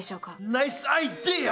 ナイスアイデア！